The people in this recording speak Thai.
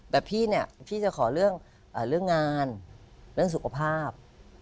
แต่พี่เนี่ยพี่จะขอเรื่องงานเรื่องสุขภาพ